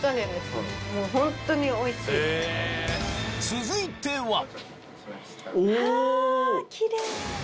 続いてはお！